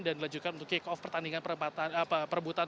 dan dilanjutkan untuk kick off pertandingan perebutan tempatan